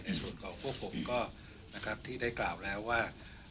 ในส่วนของพวกผมก็นะครับที่ได้กล่าวแล้วว่า